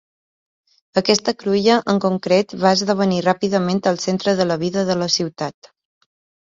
Aquesta cruïlla en concret va esdevenir ràpidament el centre de la vida de la ciutat.